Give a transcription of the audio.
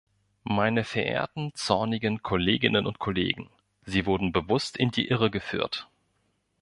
Meine verehrten zornigen Kolleginnen und Kollegen, Sie wurden bewusst in die Irre geführt.